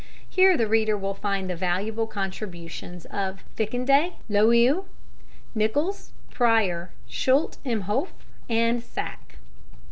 Here the reader will find the valuable contributions of Fickendey, Loew, Nicholls, Preyer, Schulte im Hofe, and Sack.